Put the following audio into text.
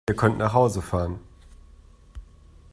Ihr könnt nach Hause fahren!